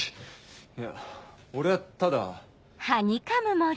いや俺はただ。